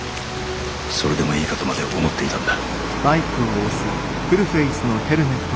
それでもいいかとまで思っていたんだ・